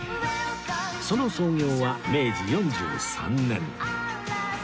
その創業は明治４３年